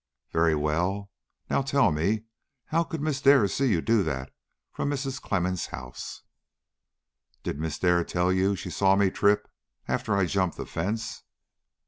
"Very well; now tell me how could Miss Dare see you do that from Mrs. Clemmens' house?" "Did Miss Dare tell you she saw me trip after I jumped the fence?"